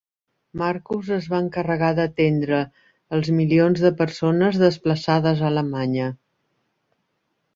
Marcus es va encarregar d'atendre els milions de persones desplaçades a Alemanya.